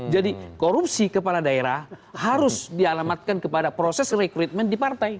jadi korupsi kepala daerah harus dialamatkan kepada proses rekrutmen di partai